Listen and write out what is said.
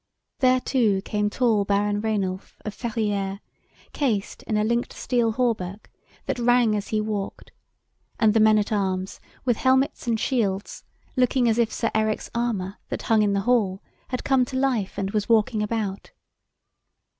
There, too, came tall Baron Rainulf, of Ferrieres, cased in a linked steel hauberk, that rang as he walked, and the men at arms, with helmets and shields, looking as if Sir Eric's armour that hung in the hail had come to life and was walking about.